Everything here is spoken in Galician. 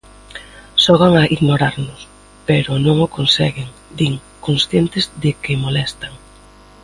"Xogan a ignorarnos pero non o conseguen", din, conscientes de que molestan.